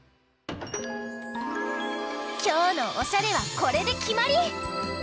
きょうのおしゃれはこれできまり！